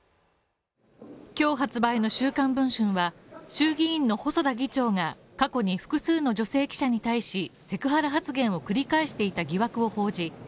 今日発売の「週刊文春」は、衆議院の細田議長が過去に複数の女性記者に対し、セクハラ発言を繰り返していた疑惑を報じ